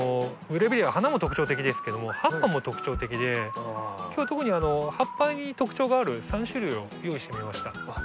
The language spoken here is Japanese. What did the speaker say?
グレビレア花も特徴的ですけども葉っぱも特徴的で今日は特に葉っぱに特徴がある３種類を用意してみました。